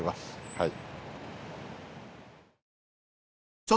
はい。